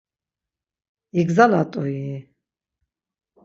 İgzalat̆u-i?